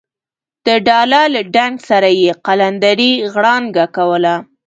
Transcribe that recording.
د ډاله له ډنګ سره یې قلندرې غړانګه کوله.